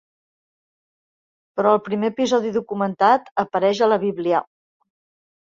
Però el primer episodi documentat apareix a la Bíblia.